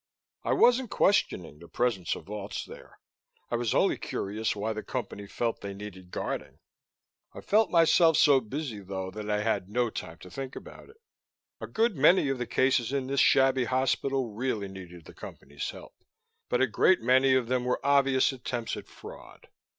I wasn't questioning the presence of vaults there; I was only curious why the Company felt they needed guarding. I found myself so busy, though, that I had no time to think about it. A good many of the cases in this shabby hospital really needed the Company's help. But a great many of them were obvious attempts at fraud.